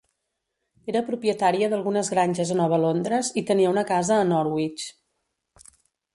Era propietària d'algunes granges a Nova Londres i tenia una casa a Norwich.